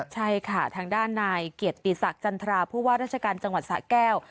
ใช่ค่ะทางด้านนายเกียรติศักดิ์จันทราผู้ว่าราชการจังหวัดสะแก้ว